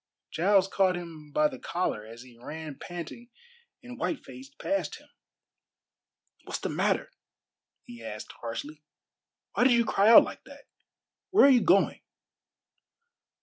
Giles caught him by the collar as he ran panting and white faced past him. "What's the matter?" he asked harshly. "Why did you cry out like that? Where are you going?"